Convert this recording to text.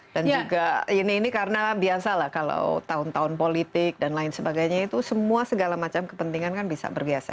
dan juga ini karena biasa lah kalau tahun tahun politik dan lain sebagainya itu semua segala macam kepentingan kan bisa berbiasa